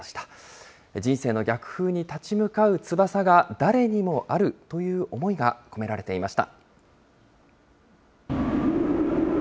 人生の逆風に立ち向かう翼が誰にもあるという思いが込められていました。